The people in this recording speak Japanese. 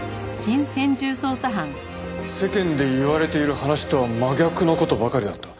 世間で言われている話とは真逆の事ばかりだった。